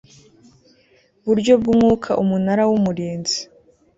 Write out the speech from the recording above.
buryo bw umwuka Umunara w Umurinzi